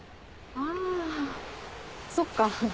あそっか。